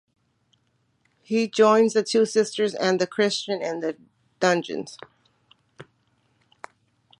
He joins the two sisters and the Christian in the dungeons.